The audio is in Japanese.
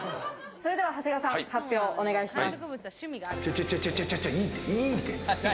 それでは長谷川さん、発表をお願いします。